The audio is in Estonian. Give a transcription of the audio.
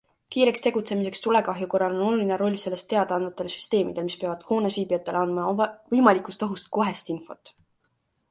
Kiireks tegutsemiseks tulekahju korral on oluline roll sellest teada andvatel süsteemidel, mis peavad hoones viibijatele andma võimalikust ohust kohest infot.